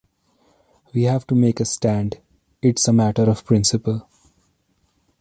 We have to make a stand: it's a matter of principle.